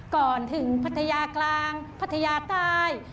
ก่อนถึงพัทยากลางพัทยาใต้